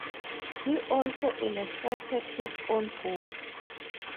He also illustrated his own books.